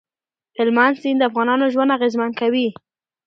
هلمند سیند د افغانانو ژوند اغېزمن کوي.